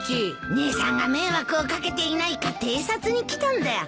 姉さんが迷惑をかけていないか偵察に来たんだよ。